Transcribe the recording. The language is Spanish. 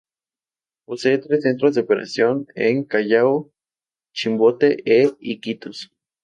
Posee tres Centros de Operación en Callao, Chimbote e Iquitos.